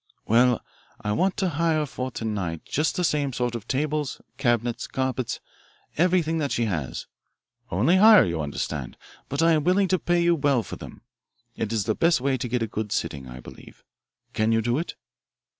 "Well, I want to hire for to night just the same sort of tables, cabinets, carpets, everything that she has only hire, you understand, but I am willing to pay you well for them. It is the best way to get a good sitting, I believe. Can you do it?"